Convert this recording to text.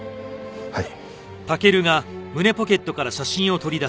はい。